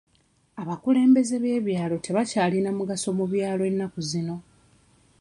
Abakulembeze b'ebyalo tebakyalina mugaso mu byalo ennaku zino.